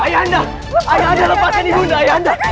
ayah anda ayah anda lepaskan ibu anda ayah anda